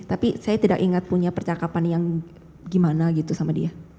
tapi saya tidak ingat punya percakapan yang gimana gitu sama dia